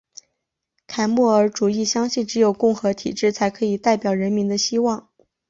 凯末尔主义相信只有共和体制才可以代表人民的希望。